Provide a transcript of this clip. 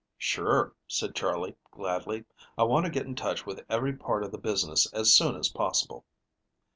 "Sure," said Charley gladly. "I want to get in touch with every part of the business as soon as possible."